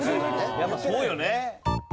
やっぱそうよね。